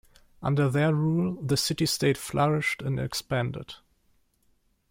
Under their rule, the city-state flourished and expanded.